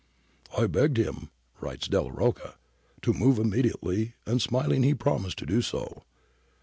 ' I begged him/ writes Delia Rocca, ' to move immediately, and smiling he promised to do so.